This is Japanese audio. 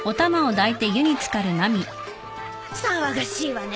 ・騒がしいわね